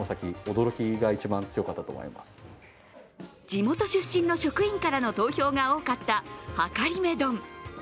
地元出身の職員からの投票が多かった、はかりめ丼。